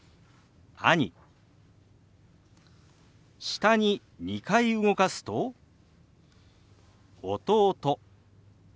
下に２回動かすと「弟」。